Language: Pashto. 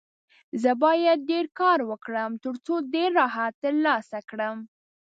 زه باید ډېر کار وکړم، ترڅو ډېر راحت ترلاسه کړم.